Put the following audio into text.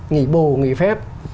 nghỉ bồ nghỉ phép